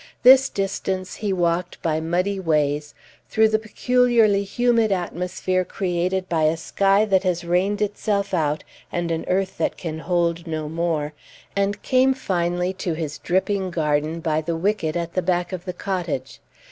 This distance he walked by muddy ways, through the peculiarly humid atmosphere created by a sky that has rained itself out and an earth that can hold no more, and came finally to his dripping garden by the wicket at the back of the cottage.